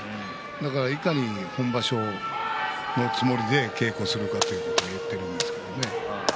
だから、いかに本場所のつもりで稽古をするかと言っているんですけれども。